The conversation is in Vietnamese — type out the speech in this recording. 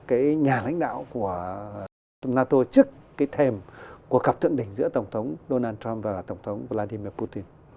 cái nhà lãnh đạo của nato chức cái thềm của cặp thượng đỉnh giữa tổng thống donald trump và tổng thống vladimir putin